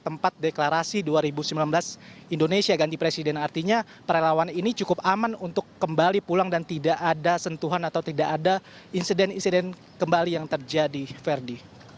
tempat deklarasi dua ribu sembilan belas indonesia ganti presiden artinya perlawan ini cukup aman untuk kembali pulang dan tidak ada sentuhan atau tidak ada insiden insiden kembali yang terjadi ferdi